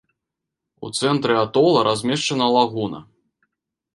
У цэнтры атола размешчана лагуна.